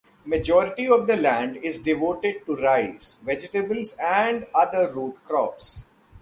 Majority of the land is devoted to rice, vegetables and other root crops.